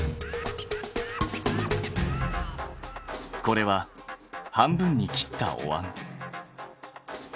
これは半分に切ったおわん。